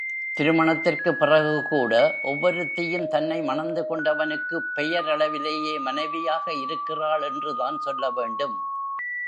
திருமணத்திற்குப் பிறகு கூட, ஒவ்வொருத்தியும் தன்னை மணந்து கொண்டவனுக்குப் பெயரளவிலேயே மனைவியாக இருக்கிறாள் என்று தான் சொல்ல வேண்டும்.